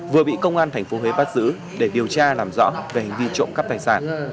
vừa bị công an tp huế bắt giữ để điều tra làm rõ về hành vi trộm cắp tài sản